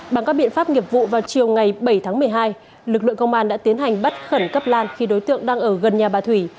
bằng các biện pháp nghiệp vụ vào chiều ngày bảy tháng một mươi hai lực lượng công an đã tiến hành bắt khẩn cấp lan khi đối tượng đang ở gần nhà bà thủy